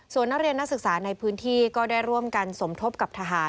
ส่วนนักเรียนนักศึกษาในพื้นที่ก็ได้ร่วมกันสมทบกับทหาร